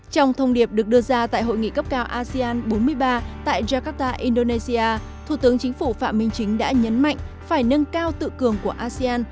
trong thông điệp được đưa ra tại hội nghị cấp cao asean bốn mươi ba tại jakarta indonesia thủ tướng chính phủ phạm minh chính đã nhấn mạnh phải nâng cao tự cường của asean